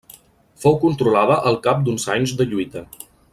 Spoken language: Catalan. Fou controlada al cap d'uns anys de lluita.